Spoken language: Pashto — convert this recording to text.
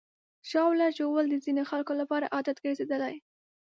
ژاوله ژوول د ځینو خلکو لپاره عادت ګرځېدلی.